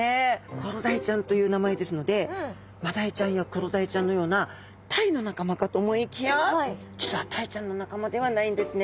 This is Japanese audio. コロダイちゃんという名前ですのでマダイちゃんやクロダイちゃんのようなタイの仲間かと思いきや実はタイちゃんの仲間ではないんですね。